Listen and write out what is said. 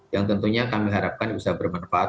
yang tentunya kami harapkan bisa bermanfaat